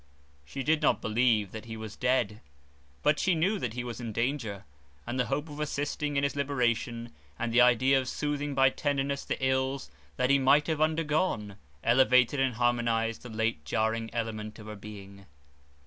She did not believe that he was dead, but she knew that he was in danger, and the hope of assisting in his liberation, and the idea of soothing by tenderness the ills that he might have undergone, elevated and harmonized the late jarring element of her being.